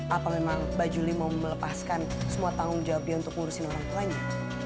atau memang mbak juli mau melepaskan semua tanggung jawab dia untuk ngurusin orang tuanya